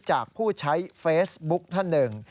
จากผู้ใช้เฟซบุ๊กท่านหนึ่ง